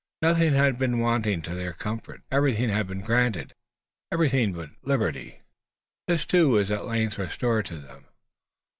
Nothing had been wanting to their comfort; everything had been granted everything but their liberty. This, too, was at length restored to them.